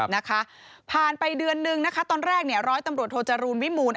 นะคะผ่านไปเดือนนึงนะคะตอนแรกเนี่ยร้อยตำรวจโทจรูลวิมูล